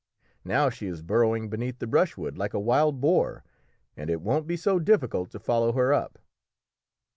Now she is burrowing beneath the brushwood like a wild boar, and it won't be so difficult to follow her up."